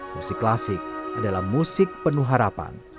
musik klasik adalah musik penuh harapan